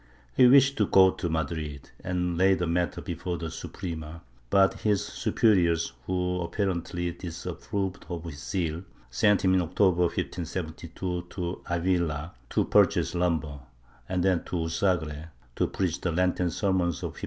He wished to go to Madrid and lay the matter before the Suprema, but his superiors, who apparently disapproved of his zeal, sent him, in October 1572, to Avila, to purchase lumber, and then to Usagre, to preach the Lenten sermons of 1573.